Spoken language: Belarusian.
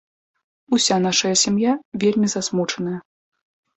Уся нашая сям'я вельмі засмучаная.